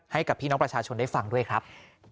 ให้กับพี่น้องประชาชนได้ฟังด้วยครับ